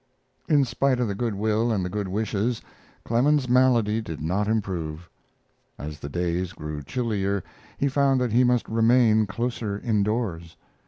In spite of the good will and the good wishes Clemens's malady did not improve. As the days grew chillier he found that he must remain closer indoors.